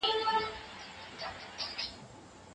د غواګانو مرض د کلي د ډېرو خلکو اقتصاد وران کړی دی.